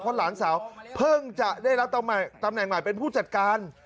เพราะหลานสาวเพิ่งจะได้รับตำแหน่งใหม่เป็นผู้จัดการ